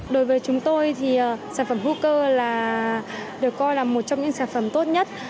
đối với chúng tôi thì sản phẩm hooker là được coi là một trong những sản phẩm tốt nhất